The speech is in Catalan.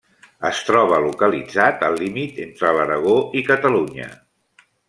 Es troba localitzat al límit entre l'Aragó i Catalunya.